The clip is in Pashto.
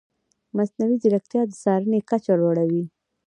مصنوعي ځیرکتیا د څارنې کچه لوړه وي.